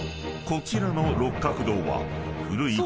こちらの六角堂は］